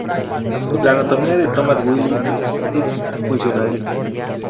La anatomía de Thomas Willis es funcionalista.